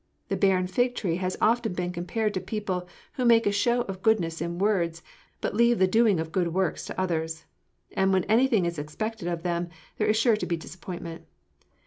The barren fig tree has often been compared to people who make a show of goodness in words, but leave the doing of good works to others; and when anything is expected of them, there is sure to be disappointment.